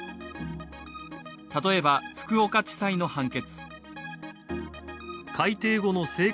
例えば、福岡地裁の判決。